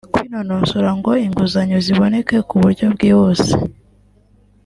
kubinonosora ngo inguzanyo ziboneke ku buryo bwihuse